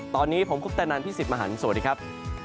ตอนนี้ผมคุกตะนันที่๑๐มหาลสวัสดีครับ